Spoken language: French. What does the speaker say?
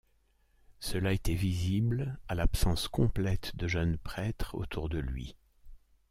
Cela était visible à l’absence complète de jeunes prêtres autour de lui.